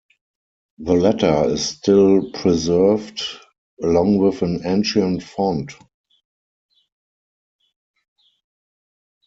The latter is still preserved along with an ancient font.